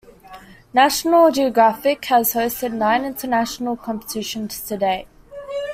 National Geographic has hosted nine international competitions to date.